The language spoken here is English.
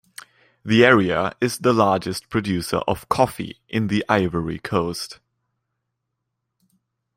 The area is the largest producer of coffee in the Ivory Coast.